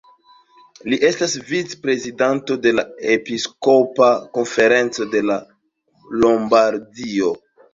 Li estas vic-prezidanto de la Episkopa konferenco de Lombardio.